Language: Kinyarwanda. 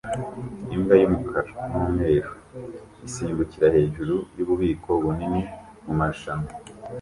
Imbwa y'umukara n'umweru isimbukira hejuru yububiko bunini mumarushanwa